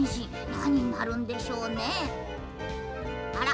なにになるんでしょうね。